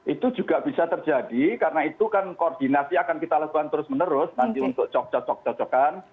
itu juga bisa terjadi karena itu kan koordinasi akan kita lakukan terus menerus nanti untuk cocok cocokan